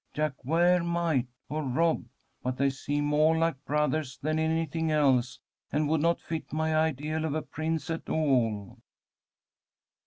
"Jack Ware might, or Rob, but they seem moah like brothahs than anything else, and would not fit my ideal of a prince at all."